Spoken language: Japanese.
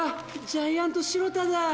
ジャイアント白田だぁ。